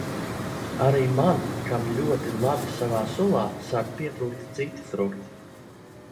Arī man, kam ļoti labi savā sulā, sāk pietrūkt citi frukti.